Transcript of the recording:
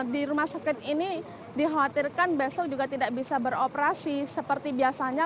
di rumah sakit ini dikhawatirkan besok juga tidak bisa beroperasi seperti biasanya